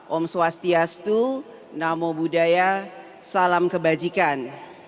om swastiastu namo buddhaya salam kebajikan